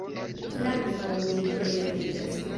Flanke po unu turoj altiĝas.